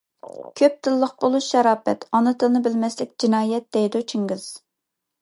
«كۆپ تىللىق بولۇش شاراپەت، ئانا تىلىنى بىلمەسلىك جىنايەت» دەيدۇ چىڭگىز.